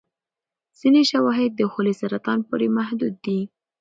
ځینې شواهد د خولې سرطان پورې محدود دي.